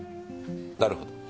なるほど。